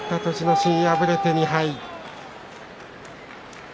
心敗れて２敗。